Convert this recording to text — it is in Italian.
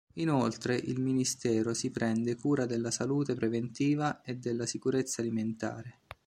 Inoltre, il ministero si prende cura della salute preventiva e della sicurezza alimentare.